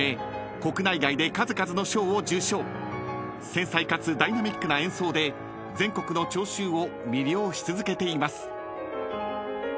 ［繊細かつダイナミックな演奏で全国の聴衆を魅了し続けています］